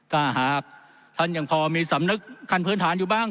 ถ้าหากท่านยังพอมีสำนึกขั้นพื้นฐานอยู่บ้าง